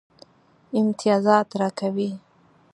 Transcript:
امتیازات راکوي.